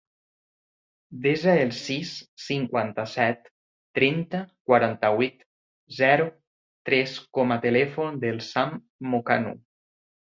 Desa el sis, cinquanta-set, trenta, quaranta-vuit, zero, tres com a telèfon del Sam Mocanu.